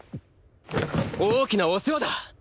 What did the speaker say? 大きなお世話だ！